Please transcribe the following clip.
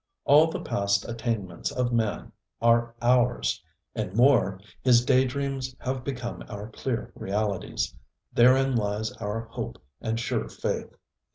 All the past attainments of man are ours; and more, his day dreams have become our clear realities. Therein lies our hope and sure faith.